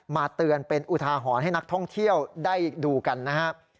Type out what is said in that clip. เตือนเป็นอุทาหรณ์ให้นักท่องเที่ยวได้ดูกันนะครับ